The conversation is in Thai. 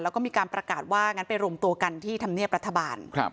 แล้วก็มีการประกาศว่างั้นไปรวมตัวกันที่ธรรมเนียบรัฐบาล